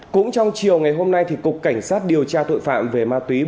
cũng trong chiều ngày hôm nay cục cảnh sát điều tra tội phạm về ma túy